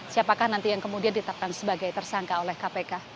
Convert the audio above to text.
siapakah nanti yang kemudian ditetapkan sebagai tersangka oleh kpk